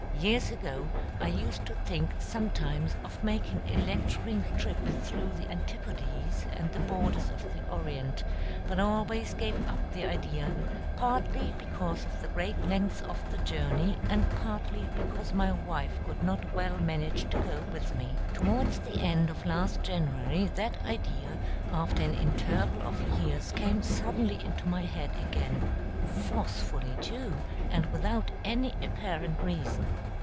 Years ago I used to think sometimes of making a lecturing trip through the antipodes and the borders of the Orient, but always gave up the idea, partly because of the great length of the journey and partly because my wife could not well manage to go with me. Towards the end of last January that idea, after an interval of years, came suddenly into my head again forcefully, too, and without any apparent reason.